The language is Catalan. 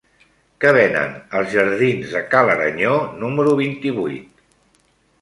Què venen als jardins de Ca l'Aranyó número vint-i-vuit?